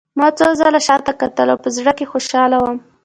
ما څو ځله شا ته کتل او په زړه کې خوشحاله وم